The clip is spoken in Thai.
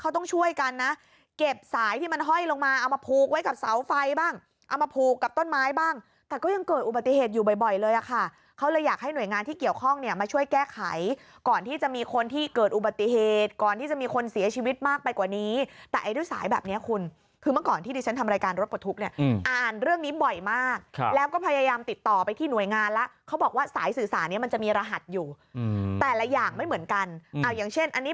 เขาต้องช่วยกันนะเก็บสายที่มันห้อยลงมาเอามาพูกไว้กับเสาไฟบ้างเอามาพูกกับต้นไม้บ้างแต่ก็ยังเกิดอุบัติเหตุอยู่บ่อยบ่อยเลยอะค่ะเขาเลยอยากให้หน่วยงานที่เกี่ยวข้องเนี้ยมาช่วยแก้ไขก่อนที่จะมีคนที่เกิดอุบัติเหตุก่อนที่จะมีคนเสียชีวิตมากไปกว่านี้แต่ไอ้ด้วยสายแบบเนี้ยคุณคือเมื่อก่อนที่ดิฉันท